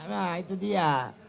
nah itu dia